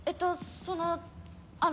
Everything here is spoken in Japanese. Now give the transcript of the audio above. そのあの。